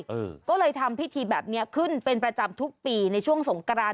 เออก็เลยทำพิธีแบบเนี้ยขึ้นเป็นประจำทุกปีในช่วงสงกราน